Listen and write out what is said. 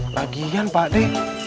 lagian pak adi